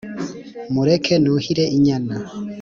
mureke nuhire inyana